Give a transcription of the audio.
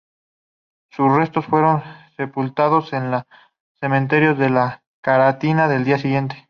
Sus restos fueron sepultados en el cementerio de la Chacarita al día siguiente.